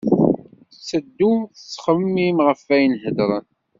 Tetteddu tettxemmim ɣef wayen hedren.